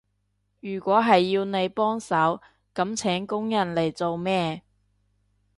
如果係要你幫手，噉請工人嚟做咩？